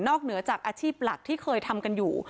เหนือจากอาชีพหลักที่เคยทำกันอยู่